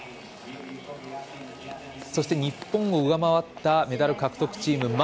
そして、日本を上回ったメダル獲得チーム。